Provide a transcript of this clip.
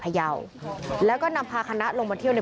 เมื่อวานแบงค์อยู่ไหนเมื่อวาน